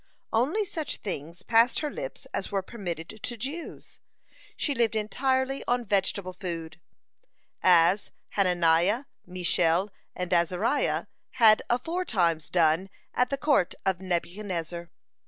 Only such things passed her lips as were permitted to Jews. She lived entirely on vegetable food, as Hananiah, Mishael, and Azariah had aforetimes done at the court of Nebuchadnezzar.